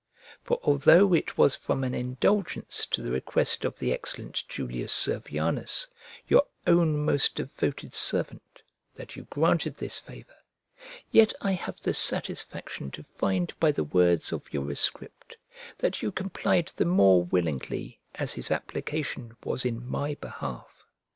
For although it was from an indulgence to the request of the excellent Julius Servianus, your own most devoted servant, that you granted this favour, yet I have the satisfaction to find by the words of your rescript that you complied the more willingly as his application was in my behalf.